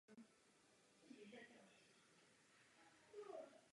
Drobná semena jsou šířena především větrem.